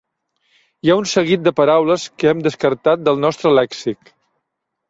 Hi ha un seguit de paraules que hem descartat del nostre lèxic.